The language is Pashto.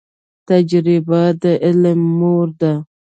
تجریبه د علم مور ده